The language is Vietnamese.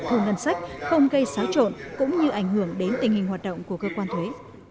thu ngân sách không gây xáo trộn cũng như ảnh hưởng đến tình hình hoạt động của cơ quan thuế